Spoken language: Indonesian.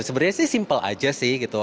sebenarnya sih simpel aja sih gitu